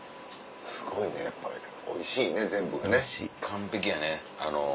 すごいねやっぱりおいしいね全部がね。